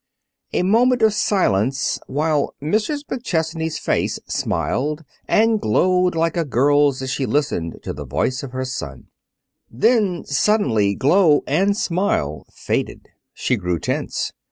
A moment of silence, while Mrs. McChesney's face smiled and glowed like a girl's as she listened to the voice of her son. Then suddenly glow and smile faded. She grew tense.